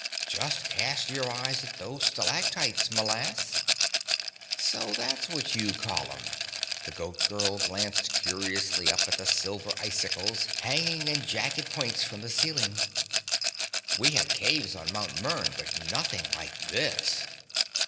Just cast your eye at those stalactites, m'lass." "So that's what you call 'em," the Goat Girl glanced curiously up at the silver icicles hanging in jagged points from the ceiling. "We have caves on Mt. Mern, but nothing like this."